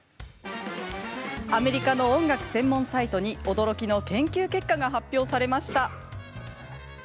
アメリカの音楽専門サイトに驚きの研究結果が発表されました。